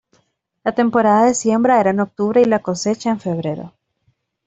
La temporada de siembra era en octubre y la cosecha en febrero.